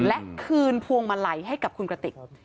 และคืนพวงมาลัยให้กับคุณกระติก